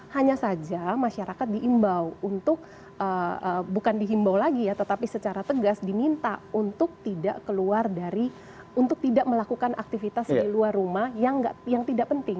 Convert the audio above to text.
hanya saja masyarakat diimbau untuk bukan dihimbau lagi ya tetapi secara tegas diminta untuk tidak keluar dari untuk tidak melakukan aktivitas di luar rumah yang tidak penting